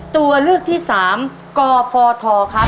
ตัวเลือกที่๓กฟทครับ